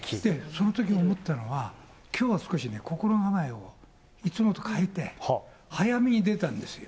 そのとき思ったのは、きょうは少しね、心構えをいつもと変えて、早めに出たんですよ。